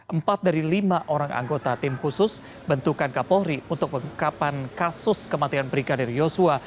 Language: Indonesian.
empat dari lima orang anggota tim khusus bentukan kapolri untuk pengungkapan kasus kematian brigadir yosua